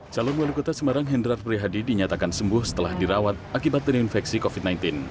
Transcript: calon wali kota semarang hendrat prihadi dinyatakan sembuh setelah dirawat akibat terinfeksi covid sembilan belas